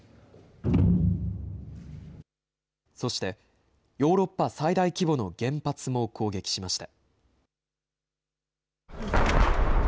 そして、ヨーロッパ最大規模の原発も攻撃しました。